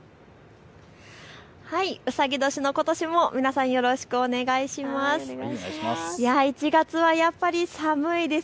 うさぎ年のことしも皆さん、よろしくお願いします。